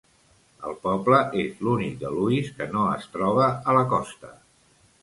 El poble és l'únic de Lewis que no es troba a la costa.